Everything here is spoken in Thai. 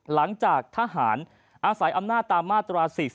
หลังจากทหารอาศัยอำนาจตามมาตรา๔๔